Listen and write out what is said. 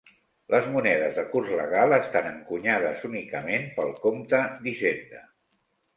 Les monedes de curs legal estan encunyades únicament pel compte d'Hisenda.